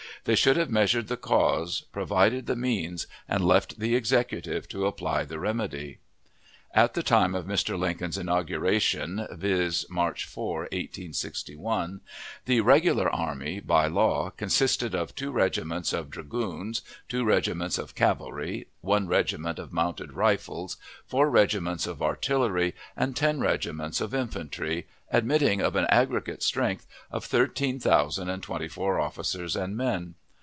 They should have measured the cause, provided the means, and left the Executive to apply the remedy. At the time of Mr. Lincoln's inauguration, viz., March 4, 1861, the Regular Army, by law, consisted of two regiments of dragoons, two regiments of cavalry, one regiment of mounted rifles, four regiments of artillery, and ten regiments of infantry, admitting of an aggregate strength of thirteen thousand and twenty four officers and men.